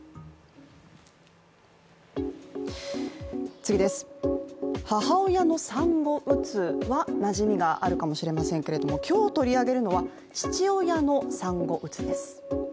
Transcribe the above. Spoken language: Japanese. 次です、母親の産後うつはなじみがあるかもしれませんけど、今日取り上げるのは、父親の産後うつです。